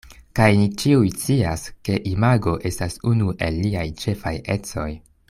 Kaj ni ĉiuj scias, ke imago estas unu el liaj ĉefaj ecoj.